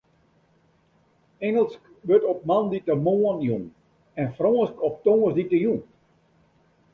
Ingelsk wurdt op moandeitemoarn jûn en Frânsk op tongersdeitejûn.